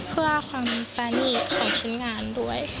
เพื่อความปรานีตของชิ้นงานด้วย